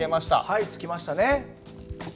はい付きましたね。